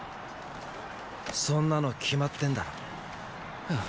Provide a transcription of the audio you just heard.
そんなの決まってんだろ。っ！